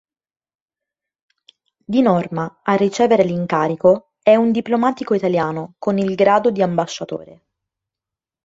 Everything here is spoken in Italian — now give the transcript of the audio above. Di norma a ricevere l’incarico è un diplomatico italiano con il grado di ambasciatore.